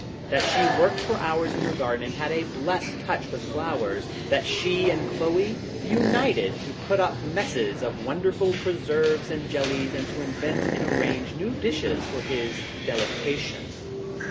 That she worked for hours in her garden and had a blessed touch with flowers. That she and Chloe united to put up messes of wonderful preserves and jellies and to invent and arrange new dishes for his delec tation.